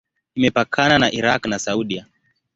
Imepakana na Irak na Saudia.